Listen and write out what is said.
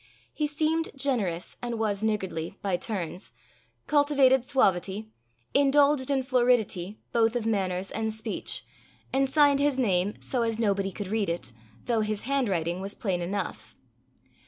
He seemed generous, and was niggardly, by turns; cultivated suavity; indulged in floridity both of manners and speech; and signed his name so as nobody could read it, though his handwriting was plain enough.